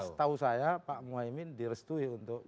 setahu saya pak muhaymin direstui untuk